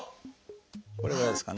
これぐらいですかね。